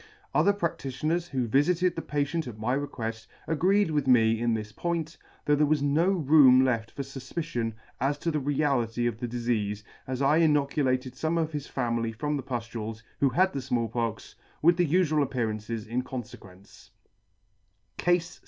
Other practitioners, who vifited the patient at my requeft, agreed with me in this point, though there was no room left for fufpicion as to the reality of the dif eafe, as I inoculated fome of his family from the puflules, who had the Small Pox, with its ufual appearances, in confequence..